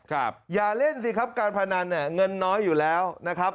อย่าเล่นสิครับการพนันเนี่ยเงินน้อยอยู่แล้วนะครับ